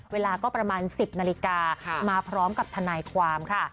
เวลาก็ประมาณ๑๐นาฬิกามาพร้อมกับทนายความค่ะ